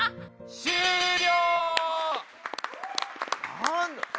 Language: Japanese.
終了！